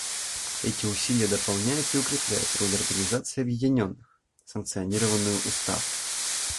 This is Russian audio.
Эти усилия дополняют и укрепляют роль Организации Объединенных, санкционированную Уставом.